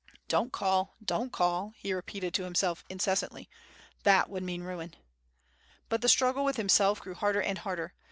"Don't call, don't call," he repeated to himself incessantly, "that would mean ruin." But the struggle with himself grew harder and harder.